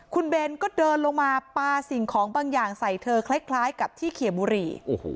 คุณเบนก็เดินลงมาปลาสิ่งของบางอย่างใส่เธอคล้ายกับที่เขียบุหรี่